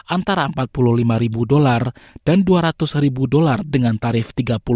antara empat puluh lima ribu dolar dan dua ratus ribu dolar dengan tarif tiga puluh